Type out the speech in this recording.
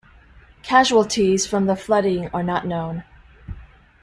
Casualties from the flooding are not known.